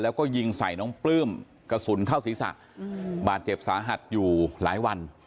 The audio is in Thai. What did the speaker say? แล้วก็ยิงใส่น้องปลื้มกระสุนเข้าศีรษะบาดเจ็บสาหัสอยู่หลายวัน